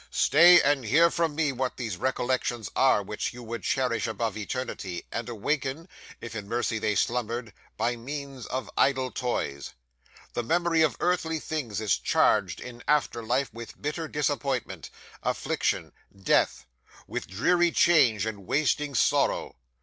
"Stay, and hear from me what these recollections are, which you would cherish above eternity, and awaken if in mercy they slumbered by means of idle toys. The memory of earthly things is charged, in after life, with bitter disappointment, affliction, death; with dreary change and wasting sorrow.